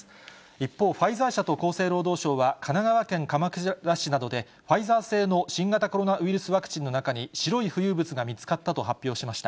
一方、ファイザー社と厚生労働省は、神奈川県鎌倉市などで、ファイザー製の新型コロナウイルスワクチンの中に白い浮遊物が見つかったと発表しました。